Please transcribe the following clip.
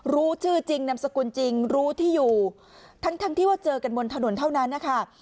รู้ชื่อจริงนามสกุลจริงรู้ที่อยู่ทั้งที่ว่าเจอกันบนถนนเท่านั้นนะคะ